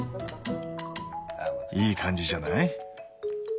いい感じじゃない？